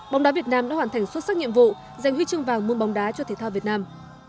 bóng đá việt nam đã hoàn thành xuất sắc nhiệm vụ dành huy chương vàng môn bóng đá cho thể thao việt nam